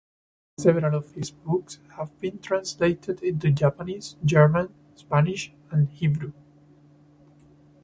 Several of his books have been translated into Japanese, German, Spanish, and Hebrew.